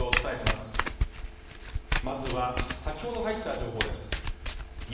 まずは先ほど入った情報です